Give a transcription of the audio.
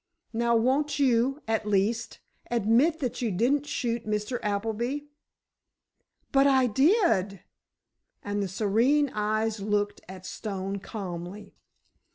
Now, won't you, at least, admit that you didn't shoot Mr. Appleby?" "But I did," and the serene eyes looked at Stone calmly.